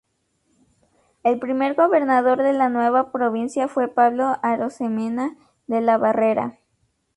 El primer gobernador de la nueva provincia fue Pablo Arosemena de la Barrera.